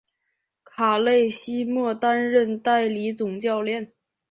卡勒西莫担任代理总教练。